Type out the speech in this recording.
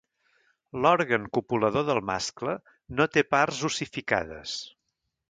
L'òrgan copulador del mascle no té parts ossificades.